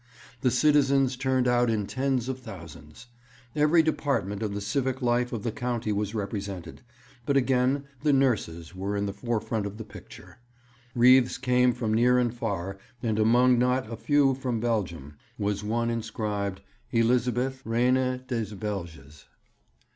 The citizens turned out in tens of thousands. Every department of the civic life of the county was represented, but again the nurses were in the forefront of the picture. Wreaths came from near and far, and among not a few from Belgium was one inscribed 'Elizabeth, Reine des Belges.'